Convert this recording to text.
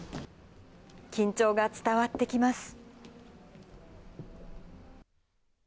緊張が伝わってきます。